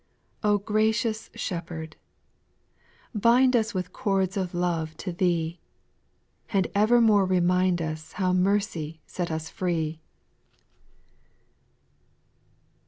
A GRACIOUS Shepherd I bind us \J With cords of love to Thee, And evermore remind us ^ow mercy set us free.